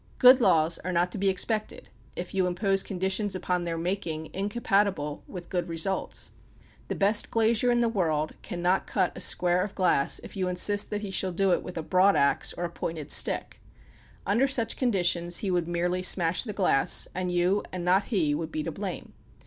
Good laws are not to be expected if you impose conditions upon their making incompatible with good results. The best glazier in the world cannot cut a square of glass if you insist that he shall do it with a broadaxe or a pointed stick. Under such conditions he would merely smash the glass, and you and not he would be to blame.